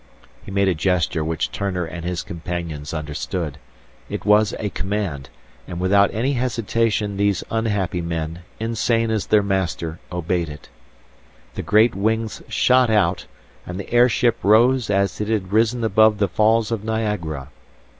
He made a gesture which Turner and his companions understood. It was a command; and without any hesitation these unhappy men, insane as their master, obeyed it. The great wings shot out, and the airship rose as it had risen above the falls of Niagara.